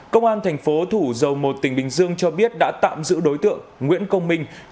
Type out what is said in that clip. công an thành phố thủ dầu một tỉnh bình dương cho biết đã tạm giữ đối tượng nguyễn công minh chú tại huyện bến lức